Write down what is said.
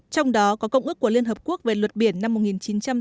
trong đó có công ước của liên hợp quốc về luật biển năm một nghìn chín trăm tám mươi hai